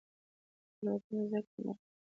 تیروتنه د زده کړې برخه ده؟